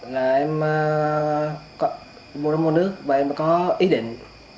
một mươi tám là em mua nước và em có ý định